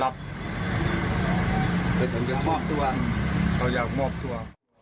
เขาอยากมอบตัว